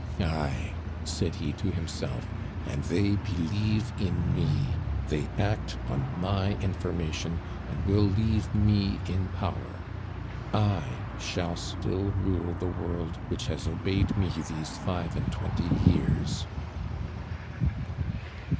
"Ay," said he to himself, "and they believe in me! They act on my information, and will leave me in power. I shall still rule the world which has obeyed me these five and twenty years."